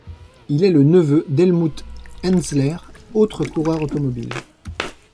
Il est le neveu d'Helmut Henzler, autre coureur automobile.